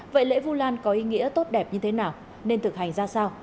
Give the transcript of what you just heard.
vậy lễ vũ lan có ý nghĩa tốt đẹp như thế nào nên thực hành ra sao